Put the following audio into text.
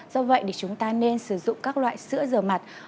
do vậy thì chúng ta nên sử dụng các loại sữa giờ mặt